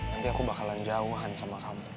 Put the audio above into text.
nanti aku bakalan jauhan sama kamu